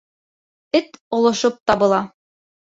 Эт олошоп табыла.